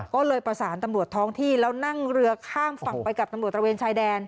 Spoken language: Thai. ก็เลยประสานตำรวจท้องที่แล้วนั่งเรือข้ามฝั่งไปกับตำรวจตระเวนชายแดน